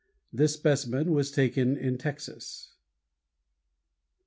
This specimen was taken in Texas.